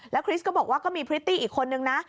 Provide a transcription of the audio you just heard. คริสก็บอกว่าก็มีพริตตี้อีกคนนึงนะ